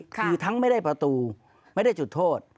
คือทั้งไม่ได้ประตูไม่ได้จุดโทษ